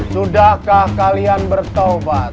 sudahkah kalian bertobat